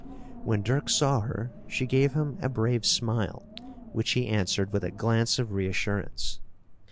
When Dirk saw her she gave him a brave smile, which he answered with a glance of reassurance.